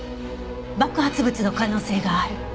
爆発物の可能性がある。